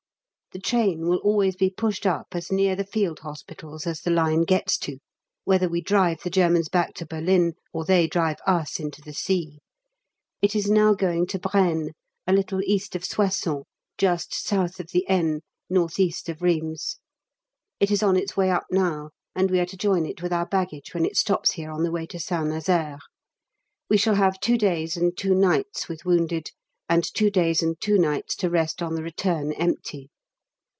The train will always be pushed up as near the Field Hospitals as the line gets to, whether we drive the Germans back to Berlin or they drive us into the sea. It is now going to Braisne, a little east of Soissons, just S. of the Aisne, N.E. of Rheims. It is on its way up now, and we are to join it with our baggage when it stops here on the way to St Nazaire. We shall have two days and two nights with wounded, and two days and two nights to rest on the return empty.